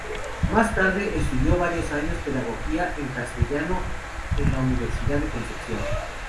Más tarde, estudió varios años pedagogía en Castellano en la Universidad de Concepción.